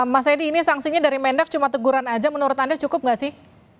mas edi ini sanksinya dari mendak cuma teguran aja menurut anda cukup nggak sih